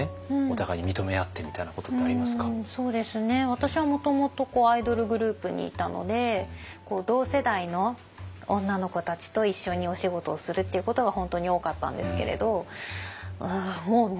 私はもともとアイドルグループにいたので同世代の女の子たちと一緒にお仕事をするっていうことが本当に多かったんですけれどもうみんな尊敬ですね。